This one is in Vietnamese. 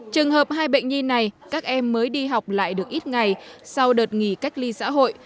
trường hợp hai bệnh nhi này các em mới đi học lại được ít ngày sau đợt nghỉ cách ly xã hội